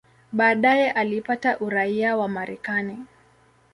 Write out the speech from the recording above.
Baadaye alipata uraia wa Marekani.